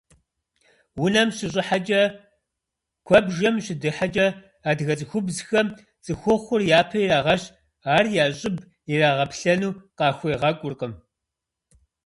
Унэм щыщӀыхьэкӀэ, куэбжэм щыдыхьэкӀэ адыгэ цӀыхубзхэм цӀыхухъур япэ ирагъэщ, ар я щӀыб ирагъэплъэну къахуегъэкӀуркъым.